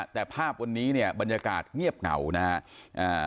แต่ภาพวันนี้เนี่ยบรรยากาศเงียบเหงานะครับ